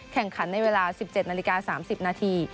แข่งขันในเวลา๑๗นาฬิกา๓๐นาที